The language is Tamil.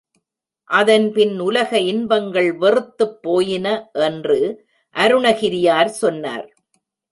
அதன்பின் உலக இன்பங்கள் வெறுத்துப் போயின என்று அருணகிரியார் சொன்னார்.